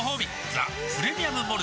「ザ・プレミアム・モルツ」